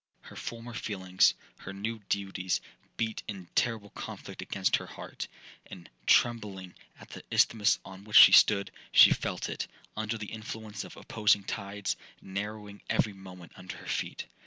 'Her former feelings, her new duties, beat in terrible conflict against her heart; and, trembling at the isthmus on which she stood, she felt it, under the influence of opposing tides, narrowing every moment under her feet.